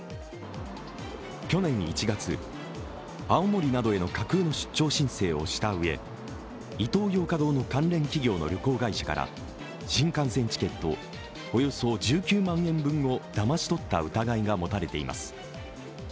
去年１月、青森などへの架空の出張申請をしたうえイトーヨーカ堂の関連企業の旅行会社から新幹線チケット、およそ１９万円分をだまし取った疑いが持たれています。